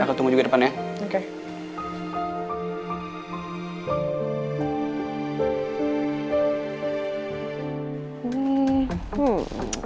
aku tunggu juga di depan ya